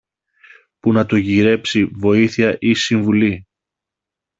που να του γυρέψει βοήθεια ή συμβουλή.